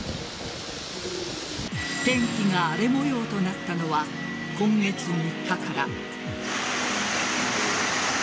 天気が荒れ模様となったのは今月３日から。